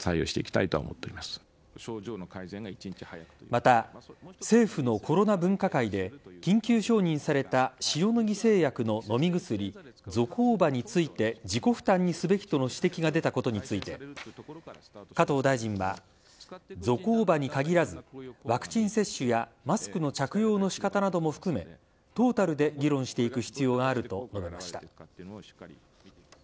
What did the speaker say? また、政府のコロナ分科会で緊急承認された塩野義製薬の飲み薬ゾコーバについて自己負担にすべきとの指摘が出たことについて加藤大臣はゾコーバに限らずワクチン接種やマスクの着用の仕方なども含めトータルで議論していく必要があると述べました。